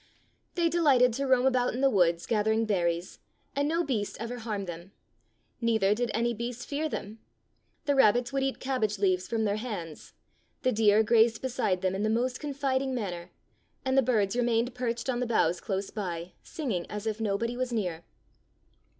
They delighted to roam about in the woods gathering berries, and no beast ever harmed them. Neither did any beast fear them. The rabbits would eat cabbage leaves from their hands, the deer grazed beside them in the most confiding manner, and the birds re mained perched on the boughs close by, singing as if nobody was near.